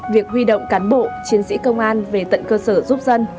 việc huy động cán bộ chiến sĩ công an về tận cơ sở giúp dân